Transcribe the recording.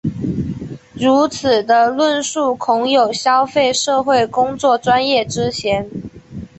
如此的论述恐有消费社会工作专业之嫌。